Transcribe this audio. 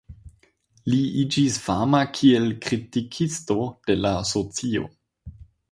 Li iĝis fama kiel kritikisto de la socio.